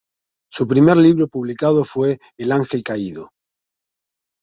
Su primer libro publicado fue "El ángel caído.